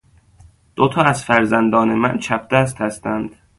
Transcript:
دو تا از فرزندان من چپ دست هستند.